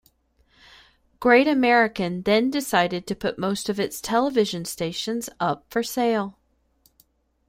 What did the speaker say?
Great American then decided to put most of its television stations up for sale.